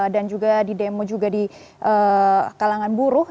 dan juga di demo juga di kalangan buruh